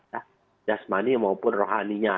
ya jasmani maupun rohaninya